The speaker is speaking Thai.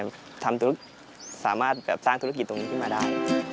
อย่างไรทำทุกสามารถแบบสร้างธุรกิจตรงนี้ขึ้นมาได้